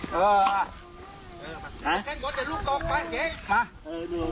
พ่อมาออกตัวหนูจะไปยืนเบยบ่อยแล้ว